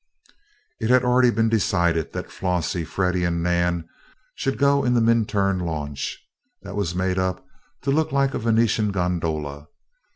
It had already been decided that Flossie, Freddie, and Nan should go in the Minturn launch, that was made up to look like a Venetian gondola.